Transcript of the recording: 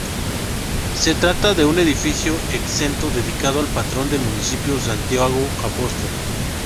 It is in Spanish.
Se trata de un edificio exento, dedicado al patrón del municipio, Santiago Apóstol.